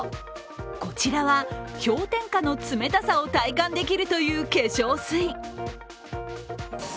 こちらは氷点下の冷たさを体感できるという化粧水。